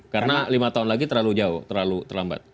karena lima tahun lagi terlalu jauh terlambat